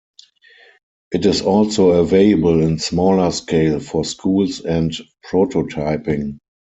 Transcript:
It is also available in smaller scale for schools and prototyping.